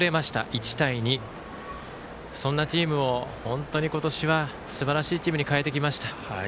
１対２、そんなチームを今年はすばらしいチームに変えてきました。